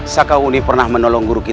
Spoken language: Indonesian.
sakauni pernah menolong guru kita